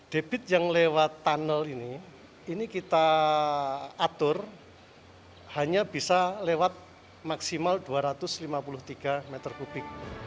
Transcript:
debit yang lewat tunnel ini ini kita atur hanya bisa lewat maksimal dua ratus lima puluh tiga meter kubik